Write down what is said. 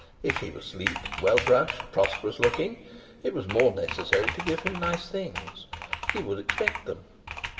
If he were sleek, well brushed, prosperous looking, it was more necessary to give him nice things; he would expect them.